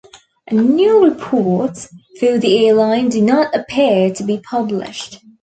Annual reports for the airline do not appear to be published.